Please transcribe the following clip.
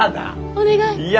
お願い！